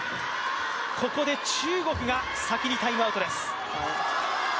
ここで中国が先にタイムアウトです。